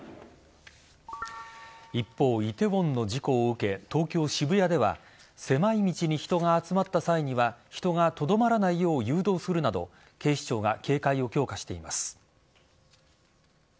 一方、梨泰院の事故を受け東京・渋谷では狭い道に人が集まった際には人がとどまらないよう誘導するなど警視庁が警戒を強化しています。